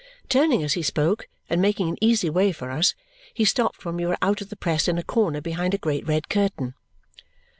Turning as he spoke and making an easy way for us, he stopped when we were out of the press in a corner behind a great red curtain.